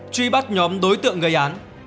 truy bắt nhóm đối tượng gây án